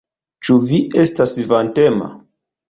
Ĉu vi estas vantema?